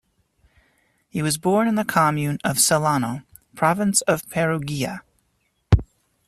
He was born in the comune of Sellano, province of Perugia.